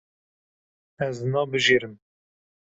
Ez nabijêrim.